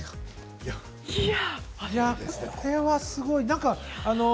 これはすごい。